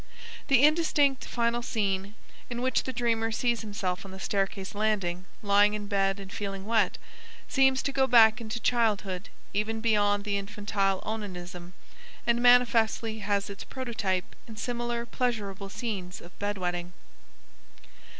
The indistinct final scene, in which the dreamer sees himself on the staircase landing lying in bed and feeling wet, seems to go back into childhood even beyond the infantile onanism, and manifestly has its prototype in similarly pleasurable scenes of bed wetting.